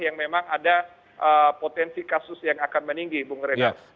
yang memang ada potensi kasus yang akan meninggi bung renat